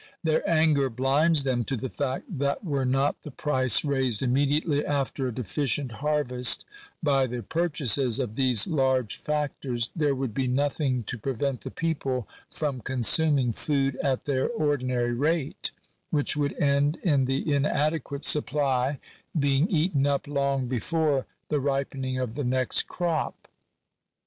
Their anger blinds them to the fact that were not the price raised immediately after a deficient harvest by the purchases of these large factors, there would be nothing to prevent the people from consuming food at tJieir ordinary rate ; which would end in the inadequate supply being eaten up long before the ripening of the next crop.